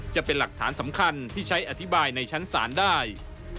จะเป็นหลักฐานสำคัญที่ใช้อธิบายในชั้นศาลได้